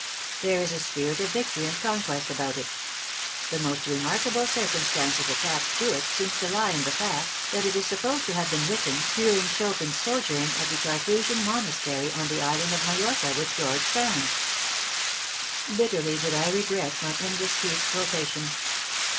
There is a spirit of victory and conquest about it. The most remarkable circumstances attached to it seems to lie in the fact that it is supposed to have been written during Chopin's sojourn at the Carthusian monastery on the island of Mallorca with George Sand.'" Bitterly did I regret my indiscreet quotation.